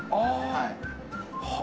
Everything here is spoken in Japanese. はい。